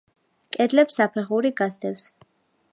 კედლებს საფეხური გასდევს.